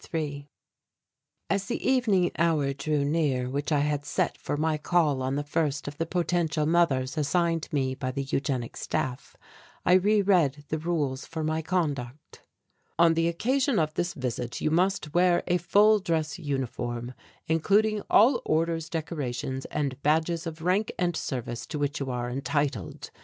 ~3~ As the evening hour drew near which I had set for my call on the first of the potential mothers assigned me by the Eugenic Staff, I re read the rules for my conduct: "On the occasion of this visit you must wear a full dress uniform, including all orders, decorations and badges of rank and service to which you are entitled.